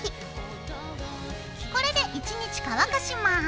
これで１日乾かします。